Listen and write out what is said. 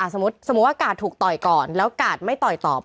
สมมุติว่ากาดถูกต่อยก่อนแล้วกาดไม่ต่อยตอบ